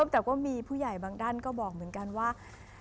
แต่ก็มีผู้ใหญ่บางด้านก็บอกเหมือนกันว่า